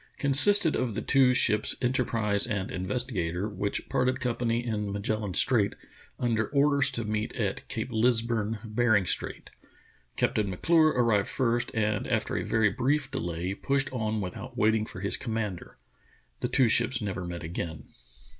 consisted of the two ships Enterprise and Investigatory which parted company in Magellan Strait under orders to meet at Cape Lisburne, Bering Strait. Captain M'Clure arrived first, and after a very brief delay pushed on without waiting for his com mander. The two ships never met again.